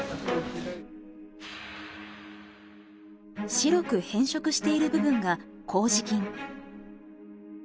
白く変色している部分が麹菌。